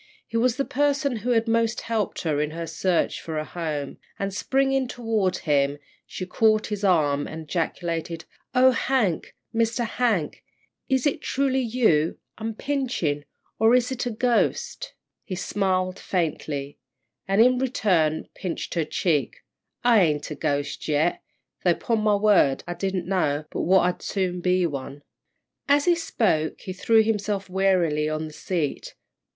He was the person who had most helped her in her search for a home, and, springing toward him, she caught his arm and ejaculated: "Oh, Hank! Mr. Hank is it truly you I'm pinchin', or is it a ghost?" He smiled faintly, and, in return, pinched her cheek. "I ain't a ghost yet, though 'pon my word I didn't know but what I'd soon be one." As he spoke, he threw himself wearily on the seat.